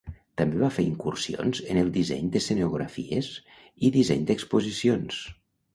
També va fer incursions en el disseny d'escenografies i disseny d'exposicions.